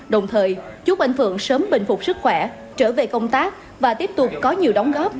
đồng thời chúc anh phượng sớm bình phục sức khỏe trở về công tác và tiếp tục có nhiều đóng góp